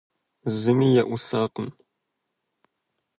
Зыми еӀусакъым.